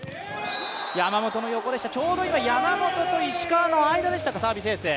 ちょうど今、山本と石川の間でしたか、サービスエース。